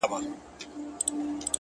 مثبت انسان هیله خپروي